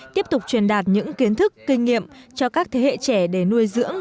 tiếp tục truyền đạt những kiến thức kinh nghiệm cho các thế hệ trẻ để nuôi dưỡng